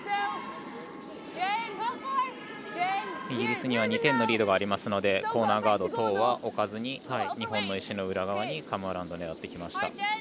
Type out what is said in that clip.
イギリスには２点のリードがありますのでコーナーガード等は置かずに日本の石の裏側にカム・アラウンドを狙ってきました。